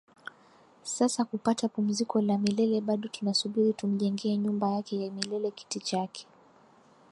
sasa kapata pumziko la milele bado tunasubiri tumjengee nyumba yake ya milele Kiti chake